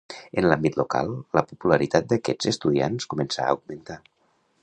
En l'àmbit local, la popularitat d'aquests estudiants començà a augmentar.